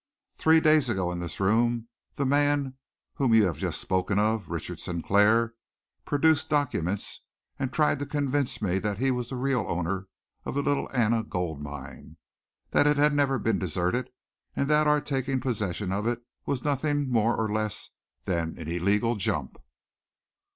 Three days ago, in this room, the man whom you have just spoken of Richard Sinclair produced documents, and tried to convince me that he was the real owner of the Little Anna Gold Mine, that it had never been deserted, and that our taking possession of it was nothing more nor less than an illegal jump."